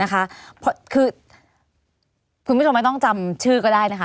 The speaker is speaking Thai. คือคุณผู้ชมไม่ต้องจำชื่อก็ได้นะคะ